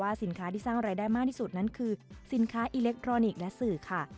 สินค้าที่สร้างรายได้มากที่สุดนั้นคือสินค้าอิเล็กทรอนิกส์และสื่อค่ะ